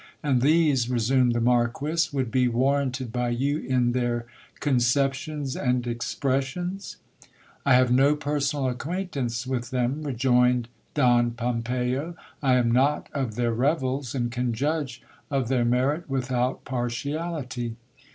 And these, resumed the Marquis, would be warranted by you in their conceptions and expressions ? I have no personal acquaintance with them, rejoined Don Pompeyo. I am not of their revels, and can judge of their merit without partiality.